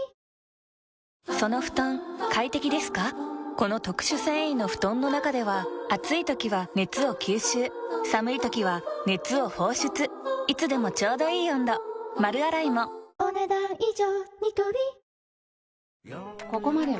この特殊繊維の布団の中では暑い時は熱を吸収寒い時は熱を放出いつでもちょうどいい温度丸洗いもお、ねだん以上。